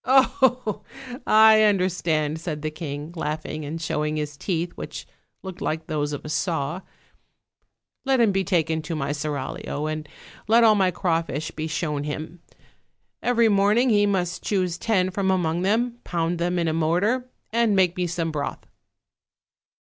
"Oh! I understand," said the king, laughing and showing his teeth, which looked like those of a saw; "let him be taken to my seraglio, and let all my crawfish be shown him. Every morning he must choose ten from among them, pound them in a mortar, and make me some broth."